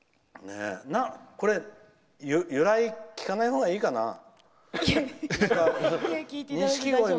これ、由来聞かないほうがいいかな。